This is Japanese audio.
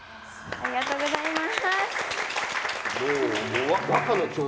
ありがとうございます。